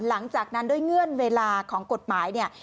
หลังจากนั้นด้วยเงื่อนเวลาของกฎหมายเนี่ย